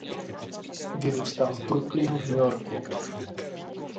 Vyrůstal v Brooklynu v New Yorku.